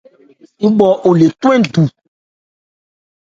Yípɔ ole thɔ́n hɛ́ndu.